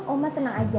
oma tenang aja ya